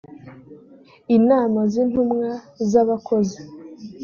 inama z intumwa z abakozi